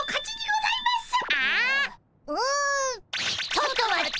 ちょっと待った。